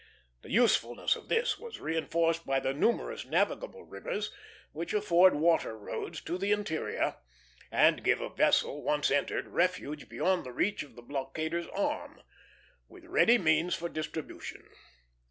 The usefulness of this was reinforced by the numerous navigable rivers which afford water roads to the interior, and gave a vessel, once entered, refuge beyond the reach of the blockaders' arm, with ready means for distribution.